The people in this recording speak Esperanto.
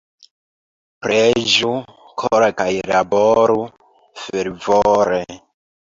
Preĝu kore kaj laboru fervore.